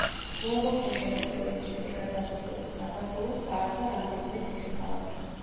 მონღოლთა შემოსევების შედეგად დასუსტებულ საქართველოს წაართვა რამდენიმე ციხე-ქალაქი.